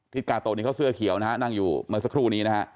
กาโตะนี่เขาเสื้อเขียวนะฮะนั่งอยู่เมื่อสักครู่นี้นะฮะ